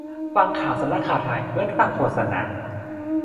ฟังข่าวสำนักข่าวไทย เหมือนฟังโฆษณา